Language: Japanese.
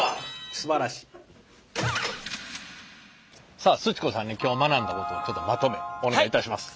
さあすち子さんに今日学んだことをちょっとまとめお願いいたします。